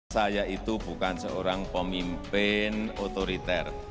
saya itu bukan seorang pemimpin otoriter